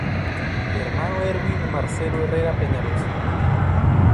Hermano Erwin Marcelo Herrera Peñaloza.